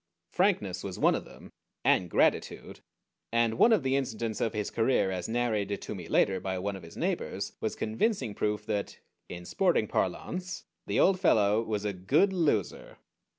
Frankness was one of them, and gratitude, and one of the incidents of his career as narrated to me later by one of his neighbors was convincing proof that, in sporting parlance, the old fellow was a good loser.